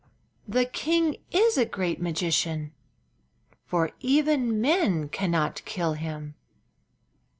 The king is a great magician, for even men cannot kill him.